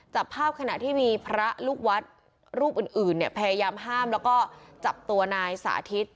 จับภาพขณะที่มีพระลูกวัดรูปอื่นเนี่ยพยายามห้ามแล้วก็จับตัวนายสาธิต